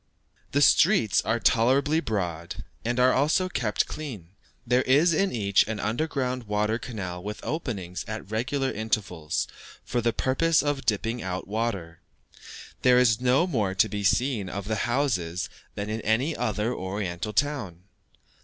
The streets are tolerably broad, and are also kept clean, there is in each an underground water canal with openings at regular intervals for the purpose of dipping out water. There is no more to be seen of the houses than in any other Oriental town.